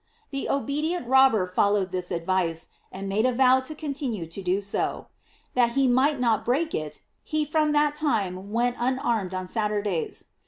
The obedient robber fol lowed this advice, and made a vow to continue to do so. That he might not break it, he from that time went unarmed on Saturdays.